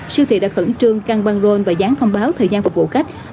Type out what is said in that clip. siêu thị đã khẩn trương căn băng roll và dán thông báo thời gian phục vụ khách